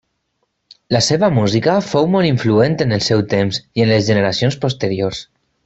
La seva música fou molt influent en el seu temps i en les generacions posteriors.